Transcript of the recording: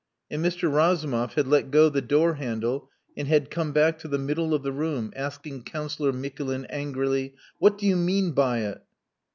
And Mr. Razumov had let go the door handle and had come back to the middle of the room, asking Councillor Mikulin angrily, "What do you mean by it?"